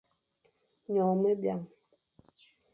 Nyongh me biang.